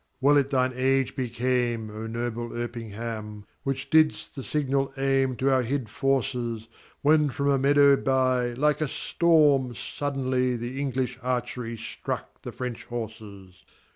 Well it thine age became, O noble Erpingham, Which didst the signal aim To our hid forces; When from a meadow by, Like a storm suddenly, The English archery Stuck the French horses.